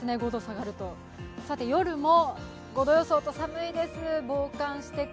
夜も５度予想と寒いです。